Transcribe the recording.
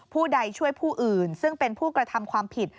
ผู้ใดช่วยผู้อื่นซึ่งเป็นผู้กระทำความผิด